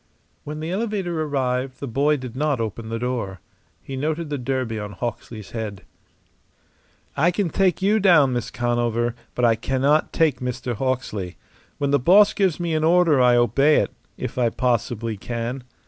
When the elevator arrived the boy did not open the door. He noted the derby on Hawksley's head. "I can take you down, Miss Conover, but I cannot take Mr. Hawksley. When the boss gives me an order I obey it if I possibly can.